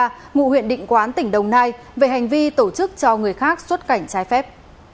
cơ quan an ninh điều tra công an tỉnh long an hôm nay về hành vi tổ chức cho người khác xuất cảnh trái phép